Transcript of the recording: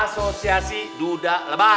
asosiasi duda lebai